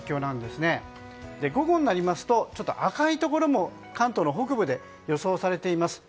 午後になりますと赤いところも関東の北部で予想されています。